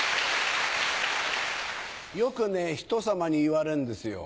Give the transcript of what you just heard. よくね人様に言われるんですよ。